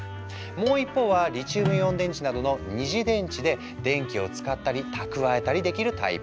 もう一方はリチウムイオン電池などの「二次電池」で電気を使ったり蓄えたりできるタイプ。